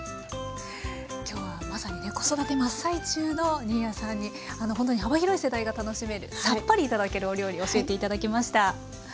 今日はまさにね子育て真っ最中の新谷さんにほんとに幅広い世代が楽しめるさっぱり頂けるお料理教えて頂きました。